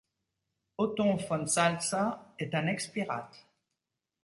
Othon Von Salza est un ex-pirate.